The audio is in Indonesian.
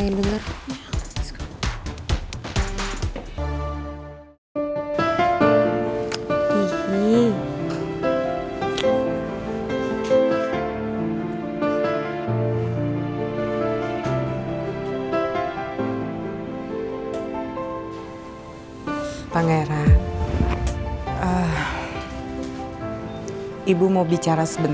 ya udah yuk